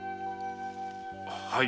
はい。